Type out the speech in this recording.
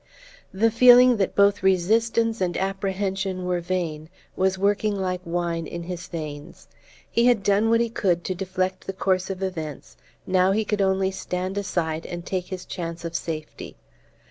The feeling that both resistance and apprehension were vain was working like wine in his veins. He had done what he could to deflect the course of events: now he could only stand aside and take his chance of safety.